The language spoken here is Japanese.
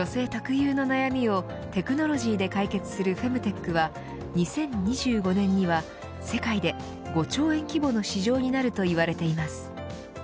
女性特有の悩みをテクノロジーで解決するフェムテックは２０２５年には世界で５兆円規模の市場になるといわれています。